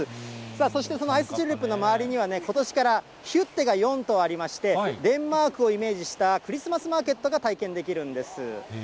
そしてそのアイスチューリップの周りには、ことしからヒュッテが４棟ありまして、デンマークをイメージしたクリスマスマーケットが体験できるんです。